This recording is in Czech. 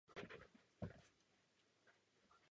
Vytušili jste, že mluvím o právu šaríja.